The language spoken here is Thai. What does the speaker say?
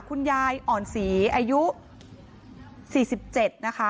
คุณยายอ่อนศรีอายุ๔๗นะคะ